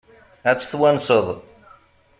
Ad tt-twanseḍ?